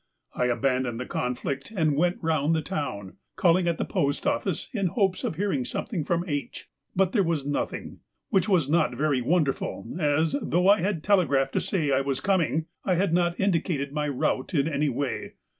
I abandoned the conflict and went round the town, calling at the Post Office, in hopes of hearing something from H., but there was nothing, which was not very wonderful, as, though I had telegraphed to say I was coming, I had not indicated my route in any way.